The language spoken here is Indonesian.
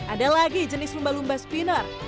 ada lagi jenis lumba lumba spinner